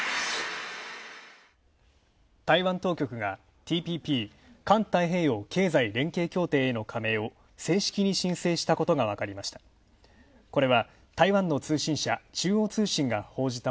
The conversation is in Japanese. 台湾当局がＴＰＰ＝環太平洋経済連携協定への加盟を正式に申請したことがわかりました。